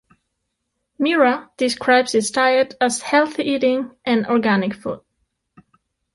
Miura describes his diet as healthy eating and organic food.